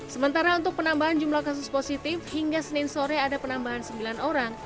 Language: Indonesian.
sementara untuk penambahan jumlah kasus positif hingga senin sore ada penambahan sembilan orang